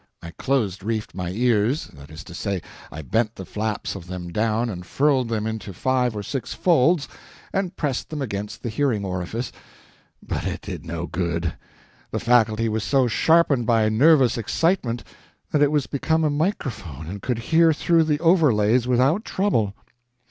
I close reefed my ears that is to say, I bent the flaps of them down and furled them into five or six folds, and pressed them against the hearing orifice but it did no good: the faculty was so sharpened by nervous excitement that it was become a microphone and could hear through the overlays without trouble.